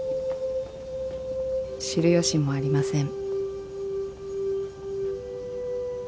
［知る由もありません］